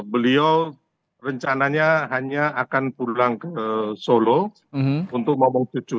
beliau rencananya hanya akan pulang ke solo untuk nomor tujuh